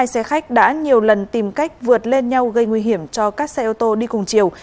hai xe khách đã nhiều lần tìm cách vượt lên nhau gây nguy hiểm cho các xe ô tô đi cùng chiều